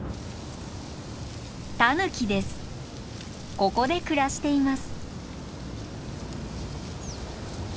ここで暮らしています。